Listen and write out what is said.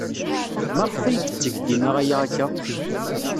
Maɣef ay yetteg dima aya akka?